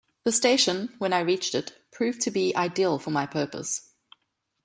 The station, when I reached it, proved to be ideal for my purpose.